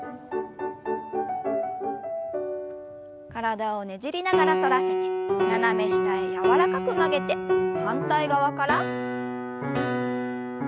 体をねじりながら反らせて斜め下へ柔らかく曲げて反対側から。